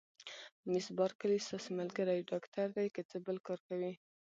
مس بارکلي: ستاسي ملګری ډاکټر دی، که څه بل کار کوي؟